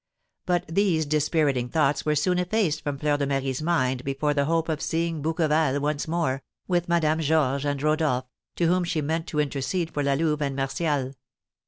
But these dispiriting thoughts were soon effaced from Fleur de Marie's mind before the hope of seeing Bouqueval once more, with Madame Georges and Rodolph, to whom she meant to intercede for La Louve and Martial.